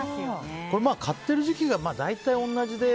買ってる時期が大体同じで。